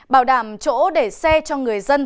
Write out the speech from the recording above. bảo đảm chỗ để xe cho người dân